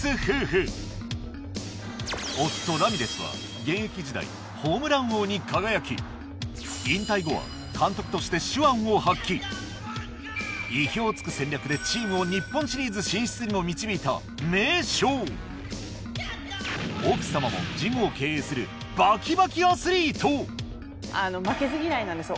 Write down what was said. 夫ラミレスは現役時代ホームラン王に輝き引退後は意表を突く戦略でチームを日本シリーズ進出にも導いた名将奥様もジムを経営する負けず嫌いなんですよ